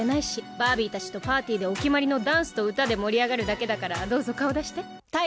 バービーたちとお決まりのダンスと歌で盛り上がるだけだからどうぞ、顔出して。